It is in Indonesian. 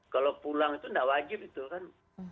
kalau pulang itu nggak wajib gitu kan